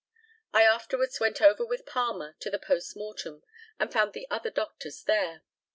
I afterwards went over with Palmer to the post mortem, and found the other doctors there.